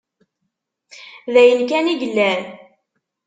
D ayen kan i yellan?